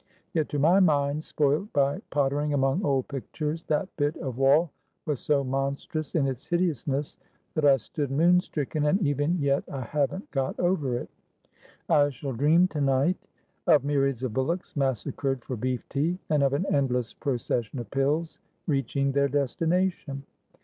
Yet to my mind, spoilt by pottering among old pictures, that bit of wall was so monstrous in its hideousness that I stood moon stricken, and even yet I haven't got over it. I shall dream to night of myriads of bullocks massacred for beef tea, and of an endless procession of pillsreaching their destination.